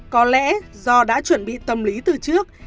có lẽ do đã chuẩn bị tâm lý từ trước